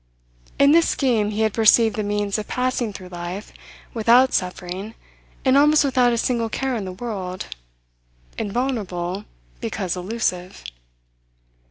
In this scheme he had perceived the means of passing through life without suffering and almost without a single care in the world invulnerable because elusive.